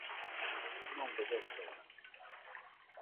Non veder l'ora.